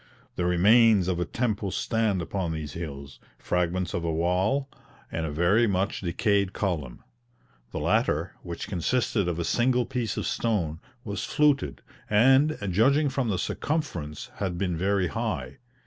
The remains of a temple stand upon these hills, fragments of a wall, and a very much decayed column. The latter, which consisted of a single piece of stone, was fluted, and, judging from the circumference, had been very high.